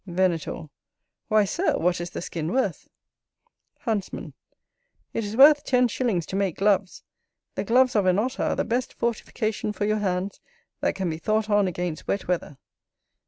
Venator. Why, Sir, what is the skin worth? Huntsman. It is worth ten shillings to make gloves; the gloves of an Otter are the best fortification for your hands that can be thought on against wet weather.